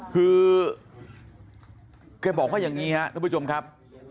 คือแกบอกว่าอย่างนี้ครับทุกผู้ชมครับ